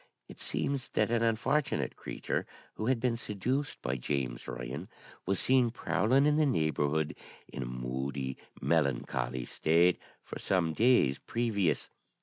It seems that an unfortunate creature, who had been seduced by James Ryan, was seen prowling in the neighbourhood in a moody, melancholy state for some days previous.